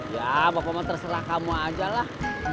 ya bapak bapak terserah kamu aja lah